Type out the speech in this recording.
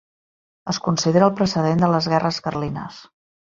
Es considera el precedent de les guerres carlines.